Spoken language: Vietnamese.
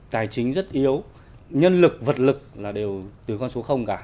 tài chính rất yếu nhân lực vật lực là đều từ con số cả